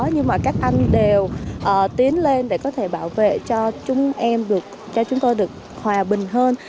nhưng mà các anh đều tiến lên để có thể bảo vệ cho chúng em được cho chúng tôi được hòa bình hơn